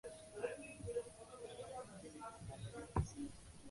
吴廷琰在枪林弹雨中差点被杀。